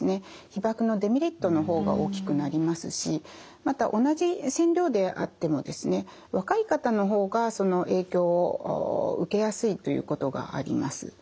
被ばくのデメリットの方が大きくなりますしまた同じ線量であってもですね若い方の方がその影響を受けやすいということがあります。